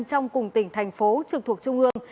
trong cùng tỉnh thành phố trực thuộc trung ương